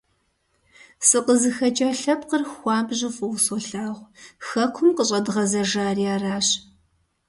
СыкъызыхэкӀа лъэпкъыр хуабжьу фӀыуэ солъагъу, хэкум къыщӀэдгъэзэжари аращ.